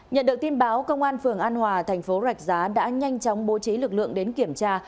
nhận được tin báo công an phường an hòa thành phố rạch giá đã nhanh chóng bố trí lực lượng đến kiểm tra